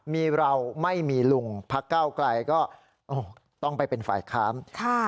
มีเราไม่มีลุงพักเก้าไกลก็ต้องไปเป็นฝ่ายค้าน